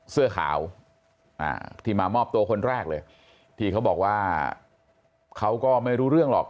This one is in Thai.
เสื้อขาวที่มามอบตัวคนแรกเลยที่เขาบอกว่าเขาก็ไม่รู้เรื่องหรอก